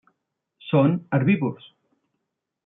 Són herbívors.